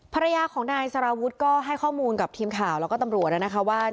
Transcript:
ภรรยาของนายสารวุฒิก็ให้ข้อมูลกับทีมข่าวแล้วก็ตำรวจแล้วนะคะว่า